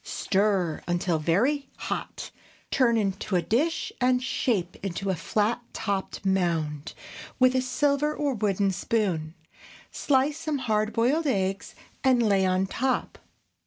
Stir until very hot, turn into a dish and shape into a flat topped mound with a silver or wooden spoon; slice some hard boiled eggs and lay on top.